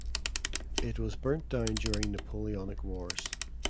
It was burnt down during Napoleonic wars.